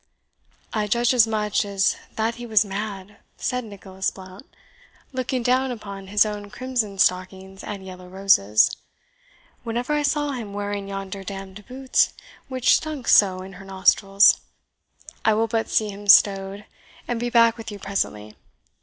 "I judged as much as that he was mad," said Nicholas Blount, looking down upon his own crimson stockings and yellow roses, "whenever I saw him wearing yonder damned boots, which stunk so in her nostrils. I will but see him stowed, and be back with you presently.